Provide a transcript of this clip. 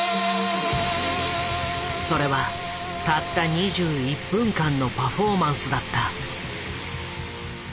それはたった２１分間のパフォーマンスだった。